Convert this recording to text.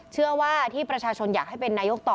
เชื่อว่าที่ประชาชนอยากให้เป็นนายกต่อ